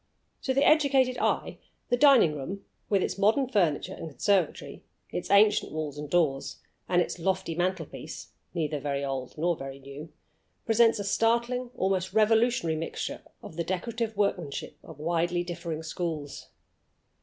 To the educated eye the dining room, with its modern furniture and conservatory, its ancient walls and doors, and its lofty mantelpiece (neither very old nor very new), presents a startling, almost a revolutionary, mixture of the decorative workmanship of widely differing schools.